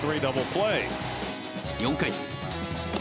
４回。